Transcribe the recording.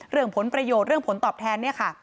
เรื่องผลประโยชน์เรื่องผลตอบแทน